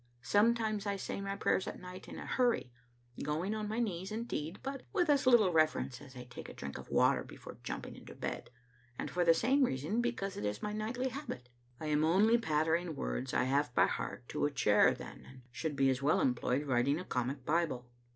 Sometimes I say my prayers at night in a hurry, going on my knees indeed, but with as little reverence as I take a drink of water before jumping into bed, and for the same reason, because it is my nightly habit. I am only pattering words I have by heart to a chair then, and should be as well employed writing a comic Bible.